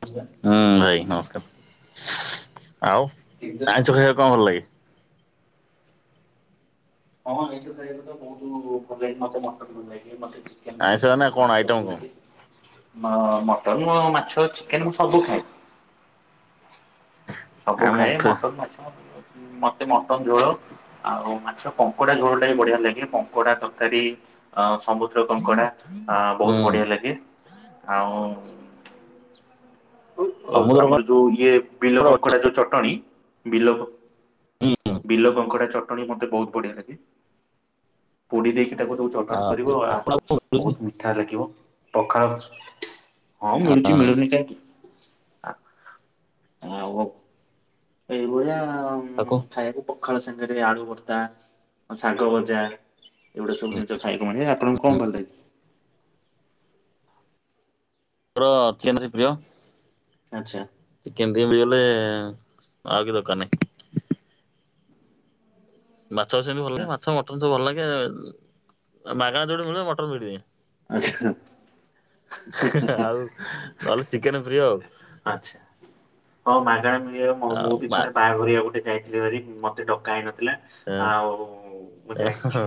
[inaudible] ହୁଁ ଭାଇ ନମସ୍କାର୍, ଆଉ ତିନିଟା ଛୁଆ। ଆଇଁଷ ଖାଇବା କଣ ଭଲ ଲାଗେ? ହଁ ଆଇଁଷ ଖାଇବାକୁ ତ ବହୁତ୍ ଭଲ ଲାଗେ, ମତେ ମଟନ୍ ଭଲ ଲାଗେ ମତେ ଭଲ ଆଇଁସ ମାନେ କଣ ଆଇଟମ୍ କଣ? ହଁ, ମଟନ୍, ମାଛ, ଚିକେନ୍ ମୁଁ ସବୁ ଖାଏ। ସବୁ ଆମ ଖାଏ ଫେ ମଟନ୍, ମାଛ ମତେ ମଟନ୍ ଝୋଳ ଆଉ ମାଛ କଙ୍କଡା ଝୋଳ ଟା ବି ବଢିଆ ଲାଗେ, କଙ୍କଡା ତକାରୀ ଅ ସମୁଦ୍ର କଙ୍କଡା ଅ ବହୁତ୍ ହୁଁ ବଢିଆ ଲାଗେ, ଆଉ ସମୁଦ୍ର ଆମର କଣ ଯୋଉ ଇଏ ବିଲ କଙ୍କଡା ଯୋଉ ଚଟଣି, ବିଲ ବିଲ କଙ୍କଡ଼ା ଚଟଣି ମତେ ବହୁତ୍ ବଢିଆ ଲାଗେ। ପୋଡ଼ି ଦେଇକି ତାକୁ [unintelligible] ଚଟଣି କରିବ, ଆ ବହୁତ୍ ମିଠା ଲାଗିବ, ପଖାଳ ହଁ ମିଳୁଚି ମିଳୁନି କାହିଁକି। ଏଇଭଳିଆ ଆଉ ତାକୁ [unintelligible] ପଖାଳ ସାଙ୍ଗେରେ ଆଳୁ ଭର୍ତା, ଶାଗ ଭଜା ଏଗୁଡା ସବୁ ଜିନିଷ ଖାଇବାକୁ ମିଳେ, ଆପଣଙ୍କୁ କଣ ଭଲ ଲାଗେ? ର ଛେନେରି ପ୍ରୀୟ। ଆଚ୍ଛା। ଚିକେନ୍ ଟିକେ ମିଳିଗଲେ ଆଉ କିଛି ଦରକାର୍ ନାହିଁ। ମାଛ ସେମିତି ଭଲ ଲାଗେ ମାଛ ମଟନ୍ ସବୁ ଭଲ ଲାଗେ, ମାଗେଣା ଯେଉଠି ମିଳିବ ମଟନ୍ ଭିଡ଼ିଦିଏ। ଆଚ୍ଛା ହେ-ହେ ଆଉ ନହେଲେ ଚିକେନ୍ ପ୍ରିୟ ଆଉ। ଆଚ୍ଛା, ହଁ ମାଗେଣା ମିଳେ ମୁଁ ଆଉ ବି ଥରେ ମାଛ ବାହାଘରିଆ ଗୋଟେ ଯାଇ ଥିଲି [unintelligible] ମତେ ଡକା ହେଇନଥିଲା ଆଉ ମୁଁ ଯାଇ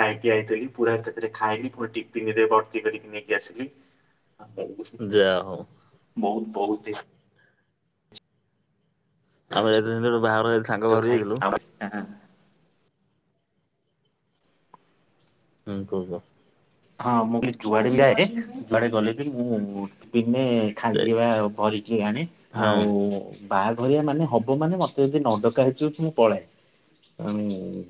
ଖାଇକି ଆଇଥିଲି ପୁରା ସେଥିରେ ଖାଇଲି ପୁରା ଟିଫିନ୍ ରେ ଭର୍ତ୍ତି କରିକି ନେଇକି ଆସିଲି। ହଉଛି ଯା ହଉ ବହୁତ ବହୁତ୍ ଦେ ଆମେ ସେମିତି ଗୋଟେ ବାହାଘର ସାଙ୍ଗ ତ ବାହାଘରକୁ ଯାଇଥିଲୁ ଖାଇକି [inaudible] ହୁଁ କୁହ? ହଁ ମୁଁ କହିଲି ଯୁଆଡେ ଯାଏ ଯୁଆଡେ ଗଲେ ବି ମୁଁ ଦିନେ ଖାଲି ବା ଭରିକି ଆଣେ ଆଉ ହଁ ବାହାଘରିଆ ମାନେ ହବ ମାନେ ମତେ ଯଦି ନଡକା ହେଇଛି ମୁଁ ପଳାଏ ଉ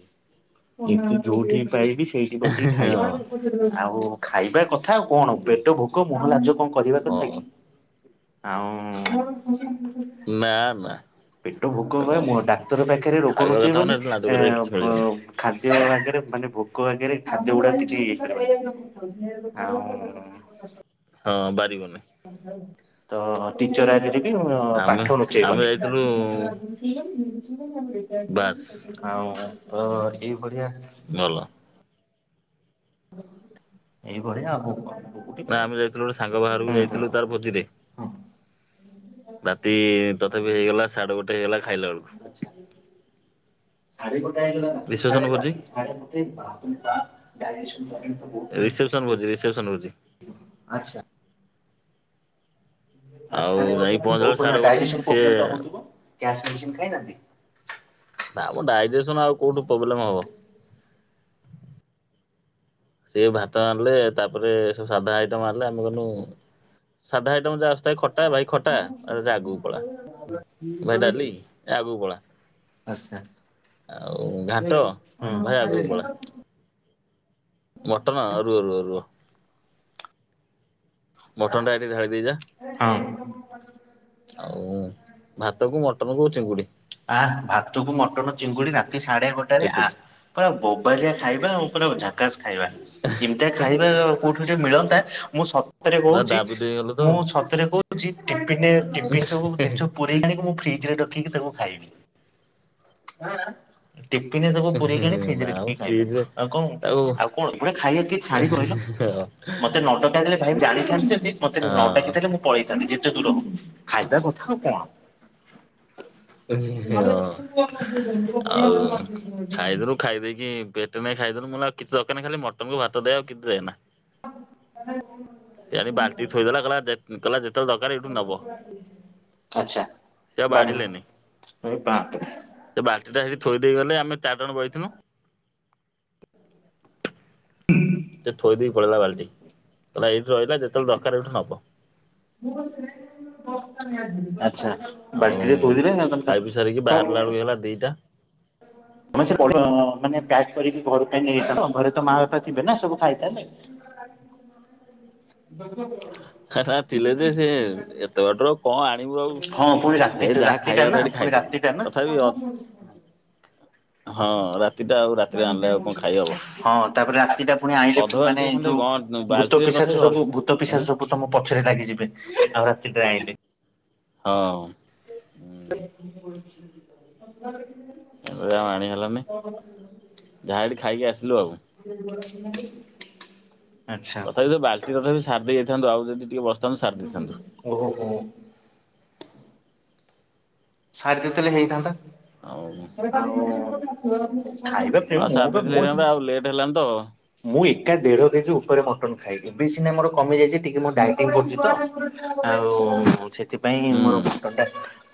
କିନ୍ତୁ ଯୋଉଠି ପାଇବି ସେଇ ବସିକି ହଁ ଖାଇବା ଆଉ ଖାଇବା କଥା ଆଉ କଣ ପେଟ ଭୋକ ମୁହଁ ଲାଜ କଣ? କହିବା ହଁ କଥା କି ଆଉ ନା ନା। ପେଟ ଭୋକ ସେଥିରେ ବା କଣ ମୁ ଅଛି। ଡାକ୍ତର ପାଖରେ ରୋଗ ଖାଇବା କଥା ମାନେ ନୁଚେଇବନି ଏଠି ଲାଜ କରିବାର ଏଁ କିଛି ମିଳିବନି ଖାଦ୍ୟ ଆଗରେ ମାନେ ଭୋକ ଆଗରେ ଖାଦ୍ୟଗୁଡା କିଛି ଆଉ ହଁ ବାରିବନି। ତ ଟିଚର ଆଗରେ ବି ଆମେ ପାଠ ଆମେ ଲୁଚେଇବନି। ଯାଇଥିଲୁ ବାସ୍ ଆଉ ତ ଏ ବଢିଆ ଭଲ। ଏ ଭଳିଆ ଆଉ ବୁ ନା ବୋକଠ ଆମେ ଯାଇଥିଲୁ ଗୋଟେ ସାଙ୍ଗ ବାହାରକୁ ହୁଁ ହୁଁ ଯାଇଥିଲୁ ହୁଁ। ତାର ଭୋଜିରେ ହଁ। ରାତି ତଥାପି ହେଇଗଲା ସାଢେ ଗୋଟେ ହେଇଗଲା ଖାଇଲା ବେଳକୁ। ଆଛା। ରାତି ସାଢ଼େ ଗୋଟେ ହେଇ ଗଲା ରାତି ରିସେପସନ ଭୋଜି ସାଢ଼େ ଗୋଟେ ବାପ ରେ ବାପ [inaudible] ରିସେପ୍ସନ ଭୋଜି ରିସେପ୍ସନ ଭୋଜି। ଆଚ୍ଛା। ରାତି ଆଉ ସାଢ଼େ ଯାଇ ଗୋଟେ ମାନେ ପହଞ୍ଚିଲା ବେଳକୁ ବୋହୁତ ସାଢେ ଗୋଟେ ଡାଇଯେସନ ସିଏ ପ୍ରୋବଲେମ୍ ଟା ହଉ ଥିବା ଗ୍ୟାସ ମେଡ଼ିସିନ୍ ଖାଇନାହାନ୍ତି। ନା ଆମ ଡାଇଜେସନ ଆଉ କୋଉଠୁ ପ୍ରୋବ୍ଲେମ ହବ? ସିଏ ଭାତ ଆଣିଲେ ତାପରେ ସବୁ ସାଧା ଆଇଟମ ଆଣିଲେ ଆମେ କହନୁ ସାଧା ଆଇଟମ ଯାହା ଅଛି ଖଟା ଭାଇ ଖଟା ଆଗକୁ ପଳା ଭାଇ ଡାଲି ଆଗକୁ ପଳା ଆଉ ଘାଣ୍ଟ ଭାଇ ଆଗକୁ ପଳା ମଟନ୍ ରୁହ ରୁହ ରୁହ। ମଟନଟା ଏଠି ଢାଳି ହଁ ଦେଇଯାଆ ଆଉ ଭାତ କୁ ମଟନ କୁ ଚିଙ୍ଗୁଡି। ଆ ଭାତକୁ ମଟନ ଚିଙ୍ଗୁଡି ରାତି ସାଢେ ଗୋଟାଏରେ ଆ। ଏତିକି ପୁରା ବୋବାଲିଆ ଖାଇବା ଆଉ ପୁରା ଝାକାସ ଖାଇବା ଏମିତିଆ ଖାଇବା ଆ କୋଉଠି ଗୋଟେ ମିଳନ୍ତା ମୁଁ ସତରେ ପୁରା କହୁଛି ଦାବି ଦେଇଗଲ ତ ନା ମୁଁ ସତରେ କହୁଛି ଟିପିନିଏ ଟିପିଟି ସବୁ ଜିନିଷକୁ ପୁରେଇକି ଆଣିକି ମୁଁ ଫ୍ରିଜରେ ରଖିକି ତାକୁ ଖାଇବି ଆଁ ଆଁ। ଟିପିନିରେ ତାକୁ ପୁରେଇ କି ଆଣି ମ ଫ୍ରିଜିରେ ରଖିକି ଖାଇଦବ ଫ୍ରିଜରେ ଆଉ କଣ ତାକୁ ହଁ ଆଉ କଣ ଏଭଳିଆ ଖାଇବା କିଏ ଛାଡେ କହିଲ? ମତେ ନ ଡକା ହେଇଥିଲେ ଭାଇ ମୁଁ ଜାଣିଥାନ୍ତି ଯଦି ମତେ ନ ଡାକିଥିଲେ ମୁଁ ପଳେଇଥାନ୍ତି ଯେତେ ଦୂର ହଉ ଖାଇବା କଥା ଆଉ କଣ? ହଁ ଆଉ ଖାଇଦେଲୁ ଖାଇଦେଇକି ପେ ତୁ ନେଇକି ଖାଇଦେଲୁ ମୋର ଆଉ କିଛି ଦରକାର ନାହିଁ ଖାଲି ମଟନକୁୁ ଭାତ ଦେ ଆଉ କିଛି ଦେଏ ନା। [inaudible] ସେ ଆଣି ବାଲ୍ଟି ଥୋଇଦେଲା କହିଲା ଯେ କହିଲା ଯେତେବେଳେ ଦରକାର ଏଇଠୁ ନବ। ଆଛା ସେ ଆଉ ବାଡ଼ି ବାଢିଲେନି ଏ ବାପ୍ରେ ସେ ବାଲ୍ଟିଟା ସେଠି ଥୋଇ ଦେଇ ଗଲେ ଆମେ ଚାରି ଜଣ ବଇଥିଲୁ। ହୁ ସେ ଥୋଇ ଦେଇ ପଳେଇଲା ବାଲ୍ଟି କହିଲା ଏଇଠି ରହିଲା ଯେତେବେଳେ ଦରକାର ଏଇଠୁ ନବ। [unintelligible] ଆଛା ଆଉ ବାଲ୍ଟିରେ ଥୋଇଦେଲେ [unintelligible] କଲା ଦିଇଟା [inaudible] ସେ ମାନେ ପ୍ୟାକ୍ କରିକି ଘର ପାଇଁ ନେଇ ଯାଇଥାନ୍ତେ ଘରେ ତ ମା ବାପା ଥିବେ ନା ସବୁ ଖାଇବାଥିବେ। ହେଲା ଥିଲେ ଯେ ସେ ଏତେ ବାଟରୁ ଆଉ କଣ ଆଣିବୁ ଆଉ [unintelligible] ହଁ ପୁଣି ରାତି ହେ ଯାହା ରାତିଟା ଖାଇବା କଥା ନା ଏଠି ପୁଣି ଖାଇଦେଲୁ ରାତି। ଟା ନା [inaudible] ତଥାପି ଅ [inaudible] ରାତିଟା ଆଉ ହଁ ରାତିରେ ଆଣିଲେ ଆଉ କଣ ଖାଇ ହବ ତାପରେ ରାତି ଟା ପୁଣି ଆଇଁଲେ ଅଧ ବାଲ୍ଟି ମାନେ ଖଣ୍ଡେ ଯୋଉ। କଣ ଭୂତ ବାଲ୍ଟିରେ ତଥାପି ପିସାଚ ଅଧ ସବୁ ଭୂତ ଏଁ ପିସାଚ ସବୁ ତମ ପଛରେ ଲାଗିଯିବେ ଆଉ ରାତିଟାରେ ଆଣିଲେ। ହଁ ହୁଁ [inaudible] ଏବେ ତ ଆଉ ଆଣି ହେଲାନି ଯାହା ହେଠି ଖାଇକି ଆସିଲୁ ଆଉ। ନ୍ତି [unintelligible] ତଥାପି ତ ବାଲ୍ଟିତଥାପି ସାରି ଦେଇଯାଇଥାନ୍ତୁ ଆଉ ଯଦି ଟିକେ ବସ୍ ହ ଓହୋ ହୋ ଛାଡି ଦେଇଥିଲେ ହେଇଥାନ୍ତା। ଆଉ। ଆଉ ଖାଇବା ପିଇବା ଆଉ ମୁଁ ସାରି ବା ଦେଇଥିଲେ ମୁଁ ହେଇଥାନ୍ତା ଆଉ ଲେଟ୍ ହେଲାନି ତ। ମୁଁ ଏକା ଦେଢ କେଜି ଉପରେ ମଟନ ଖାଏ ଦିଏ ଏବେ ସିନା ମୋର କମି ଯାଇଛି ଟିକେ ମୁ ଡାଇଟିଂ କରୁଛି ତ। ଆଉ ସେ ସେଥିପାଇଁ ହୁଁ ମୋର ମଟନ ଟା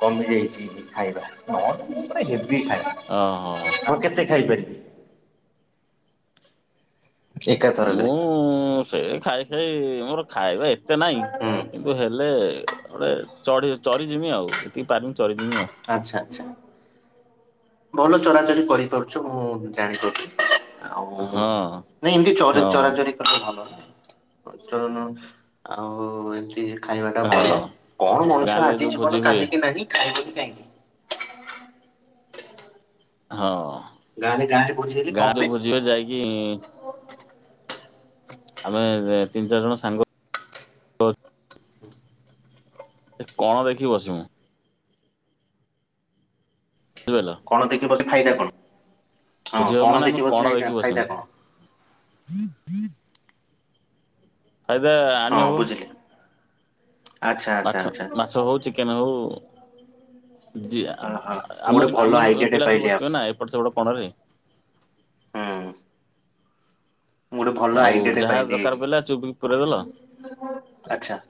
କମି ଯାଇଛି ଖାଇବା ନହେଲେ ମୁ ପୁରା ହେବି ଖାଏ। ଓ ହୋ [inaudible] ଆଉ କେତେ ଖାଇପାରିବେ? ଏକାଥରକରେ ମୁଁ ସେ ଖାଇ ଖାଇ ମୋର ଖାଇବା ଏତେ ନାଇଁ ହୁଁ କିନ୍ତୁ ହେଲେ ଗୋଟେ ଚଢି ଚରି ଯିମି ଆଉ ଯେତିକି ପାରିବି ଚରିଯିମି ଆଉ। ଆଚ୍ଛା ଆଚ୍ଛା ଭଲ ଚରାଚରି କରିପାରୁଛ ମୁଁ ଜାଣି ପାରୁଛି। ଆଉ ହଁ ନାଇଁ ଏମିତି ଚରେ ହଁ ଚରାଚରି। ଭଲ [inaudible] ଆଉ ଏମତି ଖାଇବା ଟା ହଁ ଭଲ କଣ ମଣିଷ ଗାଁରେ ଆଜି ଯୋଉ ଭୋଜି ଜୀବନ ହୁଏ କାଲିିକି ନାହିଁ ଖାଇବନି କାହିଁକି। ହଁ ଗାଁରେ ଗାଁରେ ଭୋଜି ହେଲେ କଣ ଗାଁରେ ହୁଏ ବୁଝିବ ଯାଇକି। ଆମେ ତିନି ଚାରି ଜଣ ସାଙ୍ଗ ଏ କଣ ଦେଖି ବସିିମୁ ବୁଝିଲ କଣ ଦେଖିବ ବସି ଫାଇଦା କଣ ହଁ ଭୋଜି ହବ କଣ ମାନେ ଆମେ ଦେଖିବସିବା ଦେଖିକି ବସିମୁ ଫାଇଦା କଣ? [unintelligible] ଫାଇଦା ହଁ ଆଣିହବ। ବୁଝିଲି ଆଚ୍ଛା ଆଚ୍ଛା ମାଛ ଆଚ୍ଛା ମାଛ ହଉ ଚିକେନ ହଉ। ଜୀ, ଅହୋ ଆ ମୁଁ ଗୋଟେ ଆମରି ଭଲ ଆମରି ପି ଆଇଡିଆଟେ ପିଲା ସବୁ ପାଇଲି ଆ ବସିଥିବେ ନା ଏପଟ ସେପଟ କଣରେ। ହୁଁ। ମୁଁ ଗୋଟେ ଭଲ ଆଉ ଆଇଡିଆଟେ ଯାହା ପାଇଲି, ଦରକାର ପଇଲା ଚୁପିକି ପୁରେଇଦେଲ ଆଛା।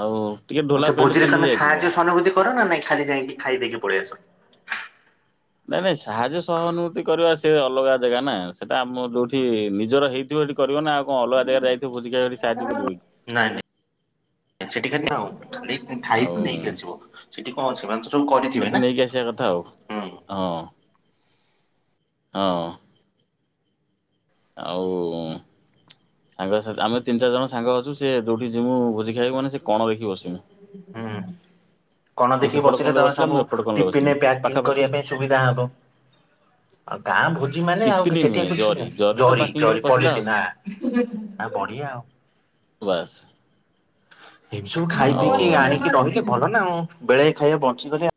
ଆଉ ଟିକେ ଢୋଲା ଆଚ୍ଛା ପ୍ୟାଣ୍ଟ ଭୋଜିରେ ପିନ୍ଧି ତମେ ଯାଇଥିବ। ସାହାଯ୍ୟ ସହାନୁଭୂତି କର ନା ନାଇଁ ଖାଲି ଯାଇକି ଖାଇ ଦେଇକି ପଳେଇଆସ। ନାଇଁ ନାଇଁ ସାହାଯ୍ୟ ସହାନୁଭୂତି କରିବା ସେ ଅଲଗା ଜାଗା ନା ସେଟା ଆମ ଯୋଉଠି ନିଜର ହେଇ ଥିବ କରିବ ନା, ଆଉ କଣ ଅଲଗା ଜାଗାରେ ଯାଇଥିବୁ ଭୋଜି ଖାଇବାକୁ ସେଠି ସାହାଯ୍ୟ କରିବ କି? ନାଇଁ ସେଠି ଖାଲି [unintelligible] ନେଇକି, ଆଉ ଖାଇକି ନେଇକି ଆସିବ। ସେଠି କଣ ସେମାନେ ତ ସବୁ କରିଥିବେ ନା? ହଁଅ ହଁ। ଆଉ ସାଙ୍ଗ ସା, ଆମେ ତିନି ଚାରି ଜଣ ସାଙ୍ଗ ଅଛୁ ସେ ଯୋଉଠିକୁ ଯିମୁ ଭୋଜି ଖାଇବାକୁ ମାନେ ସେ କଣ ଦେଖି ବସିମୁ। ହୁଁ। କଣ ସେ ଦେଖି ସେପଟ ବସିଲେ କଣରେ ତମେ ବସିଲା ମୁଁ ସବୁ ଏପଟ କଣରେ ବସିମି ଟିଫିନରେ ପ୍ୟାକିଂ ପାଖାପାଖି। କରିବା ପାଇଁ ସୁବିଧା ହବ। ଆଉ ଗାଁଆ ଭୋଜି ମାନେ ଆଉ ଟିପିନି ସେଠି ନୁହେଁ ଏଠୁ ଜରି ଛିଡା ଜରିରେ ତ ଜରି ପାକିଂ କରି ଜରି ପଶିଲା ଆଉ ପଡ଼ିଛି ନା, ଆଉ ବଢିଆ। ବାସ୍। ଏମିତି ସବୁ ଖାଇ ଆଉ ପିଇକି ଆଣିକି ରହିଲେ ଭଲ ନା ଆଉ, ବେଳେଏ ଖାଇବା ବଞ୍ଚିଗଲେ।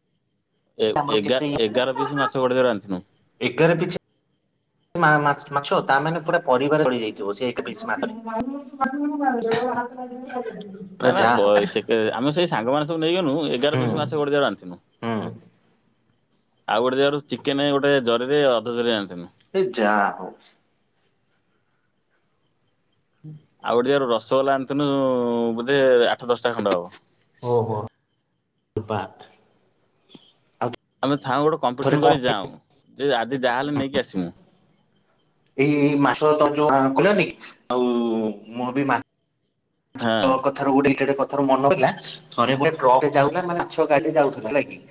ଏ ଆମର କେତେ ଏଗାର ଏଗାର ପିସ୍ ମାଛ ଗୋଟେ ଜାଗାରୁ ଆଣିିଥିନୁ। ଏଗାର ପିଛ୍? ମା ମାଛ୍ ମାଛ ତା ମାନେ ପୁରା ପରିବାର ଚଳି ଯାଇଥିବ ସେ ଏଗାର ପିସ୍ ମାଛରେ। [unintelligible] ନା ନା ହଉ ପଇ ଆରେ ସେଥେରେ ସେ ଆମେ ସେଇ ସାଙ୍ଗମାନେ ସବୁ ସବୁ ନେଇଗନୁ ଏଗାର ହୁଁ ପିସ୍ ମାଛ ଗୋଟେ ଜାଗାରୁ ଆଣିଥିନୁ। ହୁଁ ଆଉ ଗୋଟେ ଜାଗାରୁ ଚିକେନ ଗୋଟେ ଜରିରେ ଅଧ ଜରିଏ ଆନିଥିନୁ। ଏଇ ଯାଆ ହଉ। ଆଉ ଗୋଟେ ଜାଗାରୁ ରସଗୋଲା ଆଣିଥୁନୁ-ଉ-ଉ ବୋଧେ ଆଠ ଦଶଟା ଖଣ୍ଡ ହବ। ଓହୋଃ ବାତ୍ ଆଉ ଆମେ ଥାଉଁ ଗୋଟେ ଥରେ କମ୍ପିଟିସନ କଣ କରି ଯାଉଁ, ଯେ ଆଜି ଯାହାହେଲେ ନେଇକି ଆସିମୁ। ଏଇ-ଇ-ଇ ମାସକ ତଳେ ଯୋଉ ଆଁ କଲେନି ଆଉ-ଉ-ଉ ମୋର ବି ମାଆ ହାଁ। ଥରେ ଗୋଟେ [unintelligible] ମନ ହେଲା ଥରେ ଗୋଟେ ଟ୍ରକଟେ ଯାଉଥିଲା ମାନେ ମାଛ ଗାଡି ଯାଉଥିଲା ହେଲା କି।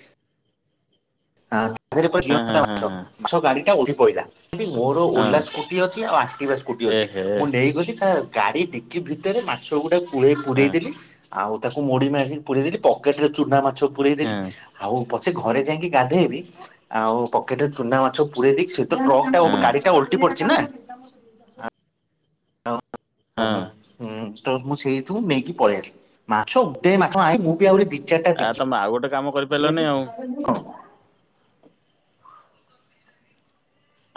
ହାଁ [inaudible] ହଁ ହଁ ଜୀଅନ୍ତା ହଁ ମାଛ, ହଁ ମାଛ ଗାଡ଼ିଟା ଓଲଟି ପଇଲା। [inaudible] ମୋର ହଁ ଓଲା ସ୍କୁଟି ଅଛି ଆଉ ଆକ୍ଟିଭା ସ୍କୁଟି ଅଛି ଏହେ ମୁଁ ନେଇଗଲି ତା ଗାଡି ଡିକି ଭି ଭିତରେ ମାଛ ଗୋଟେ ପୁଳେ ହଁ ପୁରେଇଦେଲି ଆଉ ତାକୁ ମୋଡି ମାସିକି ପୁରେଇଦେଲି ପକେଟରେ ଚୁନା ମାଛ ପୁରେଇଦେଲି ହଁ ଆଉ ପଛେ ଘରେ ଯାଇକି ଗାଧେଇବି ଆଉ ପକେଟରେ ଚୁନା ମାଛ ପୁରଇ ଦେଇକି ସେ ତ ଟ୍ରକ୍ ଟା ହଁ ଗାଡିଟା ଓଲଟି ପଡଛି ନା। [inaudible] ହଁ। ହୁଁ ତ ମୁଁ ସେଇଥିୁ ନେଇକି ପଳେଇ ଆସିଲି, ମାଛ ଗୋଟେ ମାଛ ଆଇଁ ମୁଁ ବି ଆହୁରି ଦି ଆ ତମେ ଆଉ ଗୋଟେ କାମ କରି କଣ?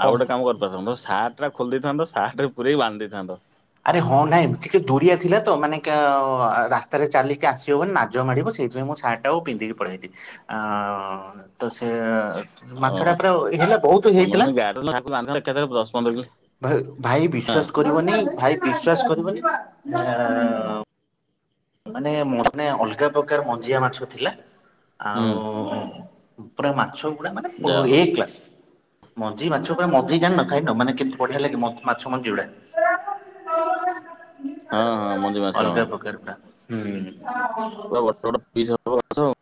ଆଉ କଣ ଗୋଟେ କାମ କରିପାରଥାନ୍ତ, ଶାର୍ଟଟା ଖୋଲି ଦେଇଥାନ୍ତ ଶାର୍ଟରେ ପୁରେଇକି ବାନ୍ଧି ଦେଇଥାନ୍ତ। ଆରେ ହଁ, ନାଇଁ ଟିକେ ଦୁରିଆ ଥିଲା ତ ମାନେ କା-ଆ-ଆ ରାସ୍ତାରେ ଚାଲିକି ଆସି ହବନି ନାଜ ମାାଡିବ ସେଇଥିପାଇଁ ମୁଁ ଶାର୍ଟଟାକୁ ପିନ୍ଧିକି ପଳେଇ ଆଇଲି ଅଁ-ଅଁ-ଅଁ ତ ସେ ମାଛଟା ଓହୋ। ପୁରା ହେଲା ବହୁତୁ ହେଇଥିଲା। [inaudible] ଏକାଥରେ ବ୍ରସ୍ ପନ୍ଦରକିଲେ ଭା ଭାଇ ବିଶ୍ଵାସ କରିବନି ଭାଇ ବିଶ୍ଵାସ କରିବନି ଆଁ ମାନେ ମନେ ଅଲ୍ଗା ପ୍ରକାର ମଞ୍ଜିଆ ମାଛ ଥିଲା। ହୁଁ ଆଉ ପୁରା ମାଛ ଗୁଡା ମାନେ ପୁରା ଯାହା ହଉ। ଏ କ୍ଲାସ୍। ମଞ୍ଜି ମାଛ ପରା ମଞ୍ଜି ଜାଣିନ ଖାଇନ ମାନେ କେତେ୍ ବଢିଆ ଲାଗେ ମଞ୍ଜି ମାଛ ମଞ୍ଜି ଗୁଡା ହଁ ହଁ ମଞ୍ଜି ମାଛ ଅଲ୍ଗା ହଁ ପ୍ରକାର ପୁରା ହୁଁ। ପୁରା ବଡ଼ ବଡ ପିସ୍ ହବ ସେ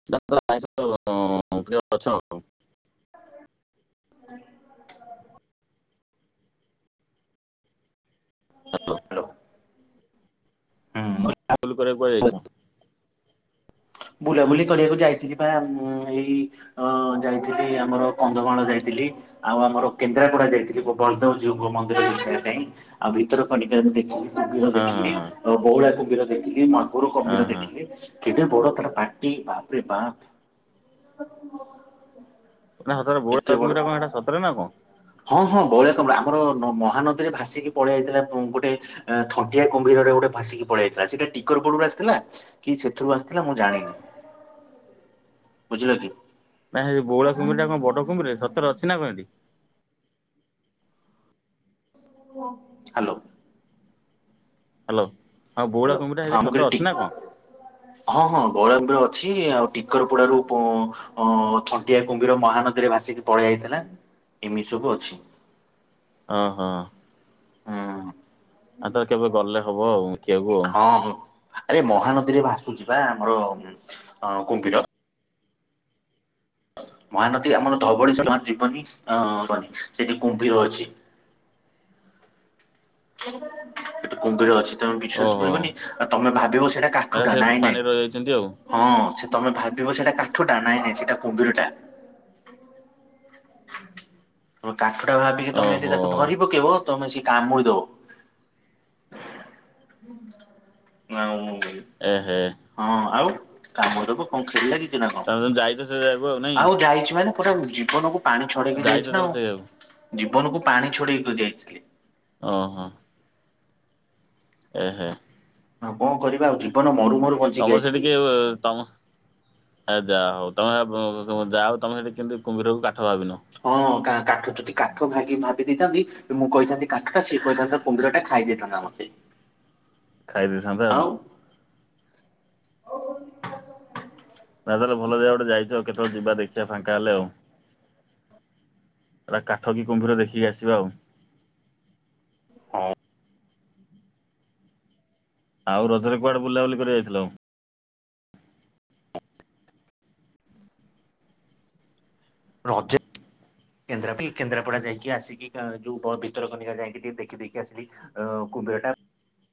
[unintelligible] ହ୍ୟାଲୋ ହାଲୋ। ହୁଁ। ଫୁଲ୍ କରିବାକୁ କୁହାଯାଇଛ? ବୁଲାବୁଲି କରିବାକୁ ଯାଇଥିଲି ବା ଉଁ ଏଇ ଅ ଯାଇଥିଲି ଆମର କନ୍ଧମାଳ ଯାଇଥିଲି। ଆଉ ଆମର କେନ୍ଦ୍ରାପଡା ଯାଇଥିଲି ବଳଦେବ ଜିଉଙ୍କ ମନ୍ଦିର ଦେଖିବା ପାଇଁ। ଆଉ ଭିତରକନିକା ମୁଁ ଦେଖିଲି କୁମ୍ଭୀର ହଁ ହଁ ଦେଖିଲି ଓ ବଉଳା କୁମ୍ଭୀର ଦେଖିଲି ମାଗୁର ହଁ କମ୍ଭିର ହଁ ହଁ ଦେଖିଲି କେଡେ ବଡ ତାର୍ ପାଟି ବାପ୍ରେ ବାପ୍ [unintelligible] ନା ସତରେ ଏତେ ବଉଳା ବଡ। କୁମ୍ଭୀର କଣ ସତରେ ନା କଣ? ହଁ ହଁ ବ‌ଉଳା କୁମ୍ଭୀର ଆମର ହାନଦୀରେ ଭାସିକି ପଳେଇଆଇଥିଲା ଗୋଟେ ନାଁ ଥଣ୍ଟିଆ କୁମ୍ଭୀରଟେ ଗୋଟେ ଭାସିକି ପଳେଇଆଇଥିଲା ସେଟା ଟିକର ପୁରୁ ଆସି ଥିଲା କି ସେଥିରୁ ଆସିଥିଲା ମୁଁ ଜାଣିନି ବୁଝିଲ କି? ନାହିଁରେ ବଉଳା କୁମ୍ଭୀରଟା କଣ ବଡ଼ କୁମ୍ଭୀରଟା ସତରେ ଅଛି ନା କଣ ଏଠି? ହାଲୋ। ହାଲୋ ହଁ ବ‌ଉଳା ହ୍ୟାଲୋ କୁମ୍ଭିର ହଁ ସେଇଟି ମୁଁ କହିଲି ସତ ଟି ଅଛି ନା କଣ? ହଁ ହଁ ବଉଳା କୁମ୍ଭିର ଅଛି ଆଉ ଟିକର ପଡାରୁ ପୋ ହଁ ଥଣ୍ଟିଆ କୁମ୍ଭିର ମହାନଦୀରେ ଭାସିକି ପଳେଇଆଇଥିଲା ଏମିତି ସବୁ ଅଛି। ହଁ ହଁ। ହଁ। ଆତ କେବେ ଗଲେ ହବ ଆ‌ଉ ଦେଖିଆଉ ଓହଁ ଆରେ ମହାନଦୀରେ ଭସୁଛି ବା ଆମର ଅ କୁମ୍ଭୀର। ମହାନଦୀ ଆମର ଧବଳିଶ୍ୱର୍ ଜୀବନୀ ଅ ମନି ସେଠି କୁମ୍ଭୀର ଅଛି। ସେଠି କୁମ୍ଭୀର ଅଛି। ତମେ ବିଶ୍ଵାସ ଓହୋ କରିବନି ଆ ତମେ ଭାବିବ ସେଇଟା ହେରା କାଠୁଟା ସେ ନାଇଁ ନାଇଁ ପାଣିରେ ରହିଯାଇଛନ୍ତି ଆଉ ହଁ ସେ ତମେ ଭାବିବ ସେଇଟା କାଠୁଟା ନାଇଁ ନାଇଁ ସେଇଟା କୁମ୍ଭୀରଟା। କାଠଟା ଭାବିକି ତମେ ଯଦି ଓହୋ ତାକୁ ଧରି ପକେଇବ ତମେ ସିଏ କାମୁଡି ଦବ। ଆଉଁ ଏହେ ହଁ ଆଉ କାମ ଦେବ କଣ ଖେଲ୍ ଲାଗିଛି ନା ତମେ ତମେ ଯାଇଛ ସେ କଣ ଜାଗାକୁ ନାଇଁ ଆଉ ଯାଇଛି ମାନେ ପଟାଉ ଜୀବନକୁ ପାଣି ଛଡେଇକି ଯାଇଛ ଯାଇଛି ନା ତାହେଲେ ସେ ଜାଗାକୁ ଆଉ ଜୀବନକୁ ପାଣି ଛଡେଇକି ଯାଇଥିଲି। ଓହୋ। ଏହେ ଆଉ କଣ କରିବା ଆଉ ଜୀବନ ମରୁମରୁ ତମର ସେଠି କିଏ ତମ ଏ ଯାହା ହଉ ତମେ ବୁଁ ବୁଁ ଯା ହଉ ତମେ ସେଠି କିନ୍ତୁ କୁମ୍ଭୀରକୁ କାଠ ଭାବିିନ। ହଁ କା କାଠ ଯଦି କାଠ ଭାଗି ଭାବି ଦେଇଥାନ୍ତି ମୁଁ କହିଥାନ୍ତି କାଠ ଟା ସିଏ କହିଥାନ୍ତା କୁମ୍ଭୀର ଟା ଖାଇ ଦେଇଥାନ୍ତା ମତେ। ଖାଇ ଦେଇଥାନ୍ତା ଆଉ। ନା ତାହେଲେ ଭଲ ଜାଗା ଗୋଟେ ଯାଇଛ। କେତେବେଳ ଯିବା ଦେଖିବା ଫାଙ୍କା ହେଲେ ଆଉ। ହେରା କାଠ କି କୁମ୍ଭୀର ଦେଖିକି ଆସିବା ଆଉ। ହଉ। ଆଉ ରଜରେ କୁଆଡ଼େ ବୁଲାବୁଲି କରିବାକୁ ଯାଇଥିଲ? ରଜରେ କେନ୍ଦ୍ରାପିଲ୍ କେନ୍ଦ୍ରାପଡ଼ା ଯାଇକି ଆସିକି। କା ଯୋଉ ବ୍ ଭିତରକନିକା ଯାଇକି ଟିକେ ଦେଖି ଦେଇକି ଆସିଲି। ଆଉ କୁମ୍ଭୀର ଟା